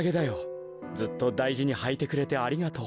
ずっとだいじにはいてくれてありがとう。